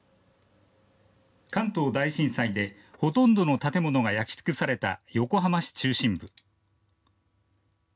関東大震災でほとんどの建物が焼き尽くされた横浜市中心部。